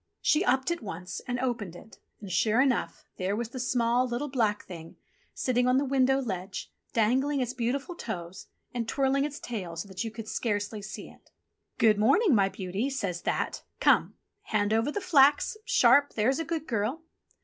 She upped at once and opened it, and sure enough there was the small, little, black Thing sitting on the window ledge, dangling its beautiful toes and twirling its tail so that you could scarcely see it. 32 ENGLISH FAIRY TALES "Good morning, my beauty," says That. "Come! hand over the flax, sharp, there's a good girl."